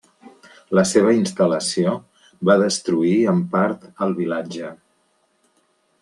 La seva instal·lació va destruir en part el vilatge.